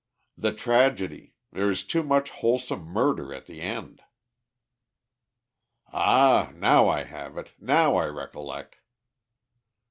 "The tragedy. There is too much wholesale murder at the end." "Ah! now I have it! Now I recollect!"